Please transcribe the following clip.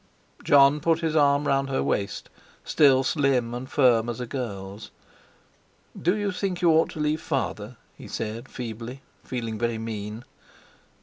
Jon put his arm round her waist, still slim and firm as a girl's. "Do you think you ought to leave Father?" he said feebly, feeling very mean.